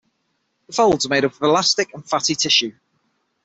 The folds are made up of elastic and fatty tissue.